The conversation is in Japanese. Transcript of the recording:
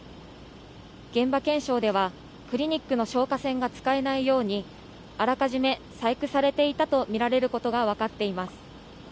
現場検証では、クリニックの消火栓が使えないように、あらかじめ細工されていたと見られることが分かっています。